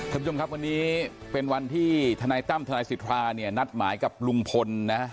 ท่านผู้ชมครับวันนี้เป็นวันที่ธนายตั้มทนายสิทธาเนี่ยนัดหมายกับลุงพลนะ